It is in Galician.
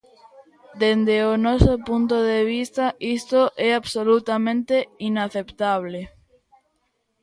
Dende o noso punto de vista, isto é absolutamente inaceptable.